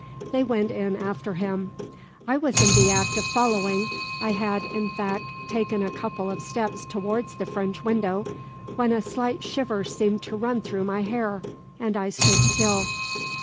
They went in after him. I was in the act of following I had, in fact, taken a couple of steps towards the French window when a slight shiver seemed to run through my hair, and I stood still.